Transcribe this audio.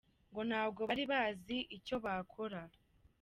Ngo ntabwo bari bazi icyo bakora ?